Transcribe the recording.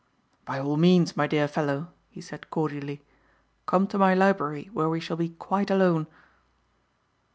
"By all means my dear fellow," he said cordially, "come to my library where we shall be quite alone."